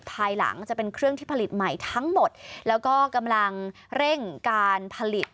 ภายหลังจะเป็นเครื่องที่ผลิตใหม่ทั้งหมดแล้วก็กำลังเร่งการผลิต